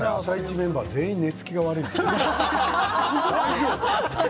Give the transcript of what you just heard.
メンバー全員寝つきが悪いんですか？